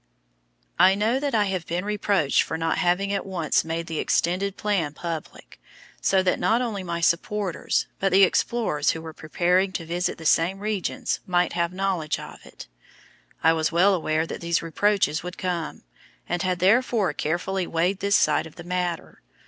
I know that I have been reproached for not having at once made the extended plan public, so that not only my supporters, but the explorers who were preparing to visit the same regions might have knowledge of it. I was well aware that these reproaches would come, and had therefore carefully weighed this side of the matter.